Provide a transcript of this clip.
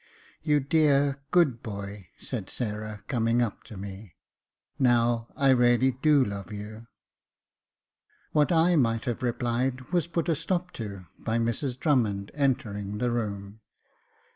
*' You dear, good boy," said Sarah, coming up to me. " Now, I really do love you." What I might have replied was put a stop to by Mrs Drummond entering the room.